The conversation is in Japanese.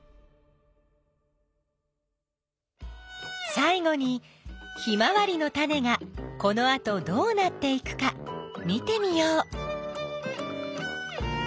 さい後にヒマワリのタネがこのあとどうなっていくか見てみよう。